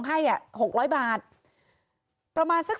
มีเรื่องอะไรมาคุยกันรับได้ทุกอย่าง